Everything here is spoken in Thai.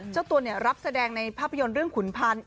เจ้าตัวรับแสดงในภาพยนตร์เรื่องขุนพันธ์